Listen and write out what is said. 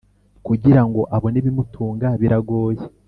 kugira ngo abone ibimutunga biragoye.